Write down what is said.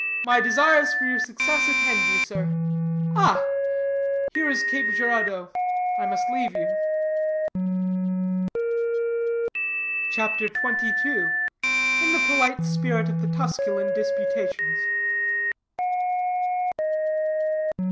My desires for your success attend you, sir. Ah!" glancing shoreward, "here is Cape Girádeau; I must leave you." CHAPTER XXII. IN THE POLITE SPIRIT OF THE TUSCULAN DISPUTATIONS.